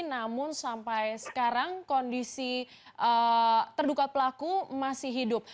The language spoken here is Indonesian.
namun sampai sekarang kondisi terduga pelaku masih hidup